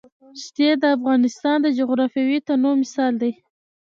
ښتې د افغانستان د جغرافیوي تنوع مثال دی.